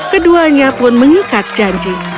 keduanya pun mengikat janji